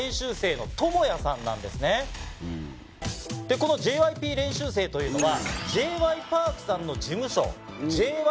このＪＹＰ練習生というのは。